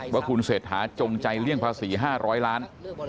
ว่าคุณเศรษฐาจงใจเลี่ยงภาษี๕๐๐ล้าน